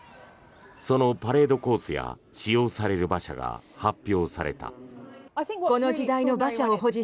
そのパレードコースや使用される馬車が発表された。